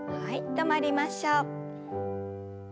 止まりましょう。